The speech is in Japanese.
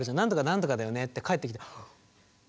「何とかだよね」って返ってきて。